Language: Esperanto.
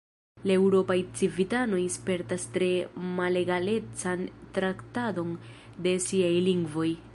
La eŭropaj civitanoj spertas tre malegalecan traktadon de siaj lingvoj.